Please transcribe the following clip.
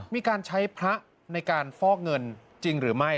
มีการใช้พระในการฟอกเงินจริงหรือไม่